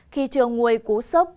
khi trường nguôi cú sốc